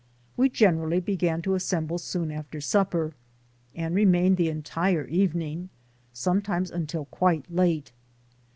We generally began to assemble soon after supper, and remained the entire evening, sometimes until quite late.